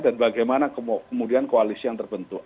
dan bagaimana kemudian koalisi yang terbentuk